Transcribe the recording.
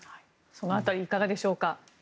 その辺りいかがでしょうか？